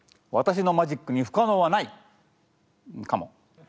私のマジックに不可能はないかも。